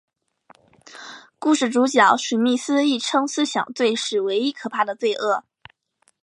故事主角史密斯亦称思想罪是唯一可怕的罪恶。